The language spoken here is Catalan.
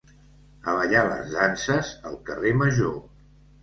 A ballar les danses, al carrer Major.